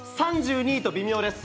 ３２位と微妙です。